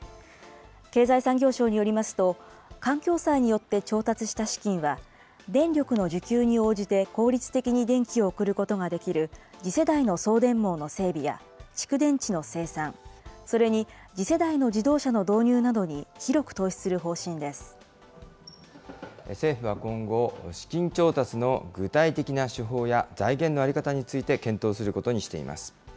経済産業省によりますと、環境債によって調達した資金は、電力の需給に応じて効率的に電気を送ることができる次世代の送電網の整備や蓄電池の生産、それに、次世代の自動車の導入などに広く政府は今後、資金調達の具体的な手法や財源の在り方について検討することにしています。